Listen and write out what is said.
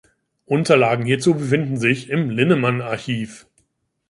Unterlagen hierzu befinden sich im Linnemann-Archiv.